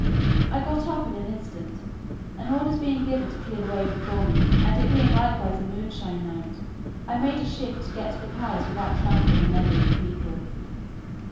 I got up in an instant; and orders being given to clear the way before me, and it being likewise a moonshine night, I made a shift to get to the palace without trampling on any of the people.